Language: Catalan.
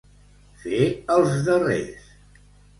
Fer els darrers.